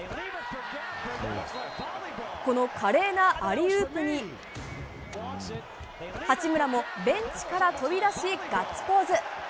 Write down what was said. この華麗なアリウープに八村もベンチから飛び出しガッツポーズ！